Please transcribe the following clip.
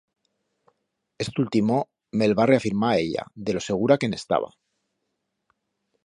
Esto ultimo me'l va reafirmar ella, de lo segura que en estaba.